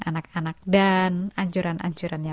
anak anak dan anjuran anjurannya